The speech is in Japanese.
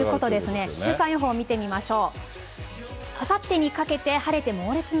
１週間予報を見てみましょう。